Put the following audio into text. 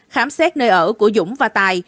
khám xét nơi ở của dũng và tài